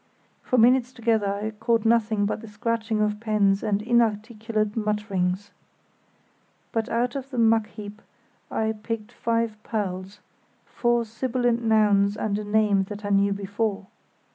For minutes together I caught nothing but the scratching of pens and inarticulate mutterings. But out of the muck heap I picked five pearls—four sibilant nouns and a name that I knew before.